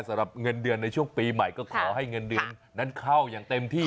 สำหรับเงินเดือนในช่วงปีใหม่ก็ขอให้เงินเดือนนั้นเข้าอย่างเต็มที่